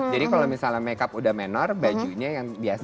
jadi kalau misalnya makeup sudah menor bajunya yang biasa